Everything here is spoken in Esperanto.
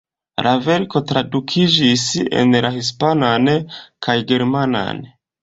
La verko tradukiĝis en la hispanan kaj germanan.